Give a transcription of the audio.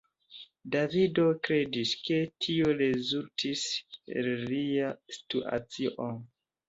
Davido kredis, ke tio rezultis el lia situacio.